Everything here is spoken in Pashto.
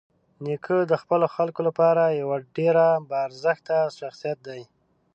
نیکه د خپلو خلکو لپاره یوه ډېره باارزښته شخصيت دی.